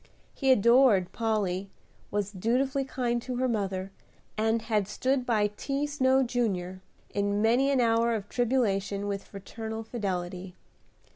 He adored Polly, was dutifully kind to her mother, and had stood by T. Snow, Jr., in many an hour of tribulation with fraternal fidelity.